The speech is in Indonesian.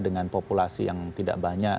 dengan populasi yang tidak banyak